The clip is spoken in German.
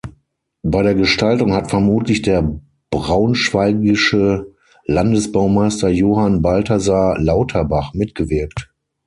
Bei der Gestaltung hat vermutlich der braunschweigische Landesbaumeister Johann Balthasar Lauterbach mitgewirkt.